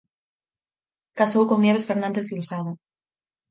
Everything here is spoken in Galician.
Casou con Nieves Fernández Losada.